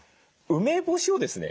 梅干しをですね